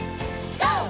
ＧＯ！